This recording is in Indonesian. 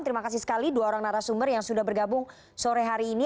terima kasih sekali dua orang narasumber yang sudah bergabung sore hari ini